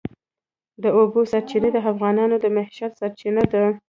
د اوبو سرچینې د افغانانو د معیشت سرچینه ده.